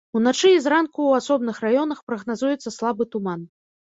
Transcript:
Уначы і зранку ў асобных раёнах прагназуецца слабы туман.